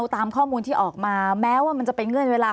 ตามข้อมูลที่ออกมาแม้ว่ามันจะเป็นเงื่อนเวลา